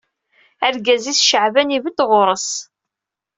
Argaz-is Caɛban ibedd ɣur-s